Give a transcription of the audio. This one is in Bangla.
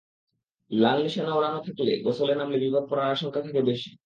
লাল নিশানা ওড়ানো থাকলে গোসলে নামলে বিপদে পড়ার আশঙ্কা থাকে বেশি।